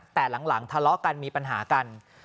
แต่หลังทะเลาะกันมีปัญหากัน